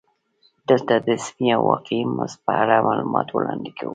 دلته د اسمي او واقعي مزد په اړه معلومات وړاندې کوو